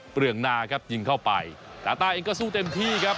เปลืองนาครับยิงเข้าไปตาต้าเองก็สู้เต็มที่ครับ